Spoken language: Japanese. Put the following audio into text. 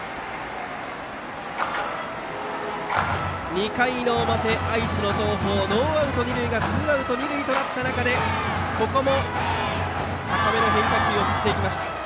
２回の表、愛知の東邦ノーアウト二塁がツーアウト二塁となった中でここも、高めの変化球を振っていきました。